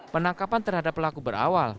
penangkapan terhadap pelaku berawal